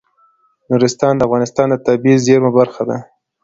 نورستان د افغانستان د طبیعي زیرمو برخه ده.